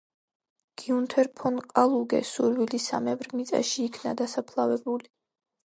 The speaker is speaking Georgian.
გიუნთერ ფონ კლუგე სურვილისამებრ მიწაში იქნა დასაფლავებული.